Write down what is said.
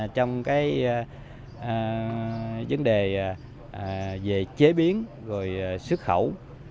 trong vấn đề về chế biến rồi xuất khẩu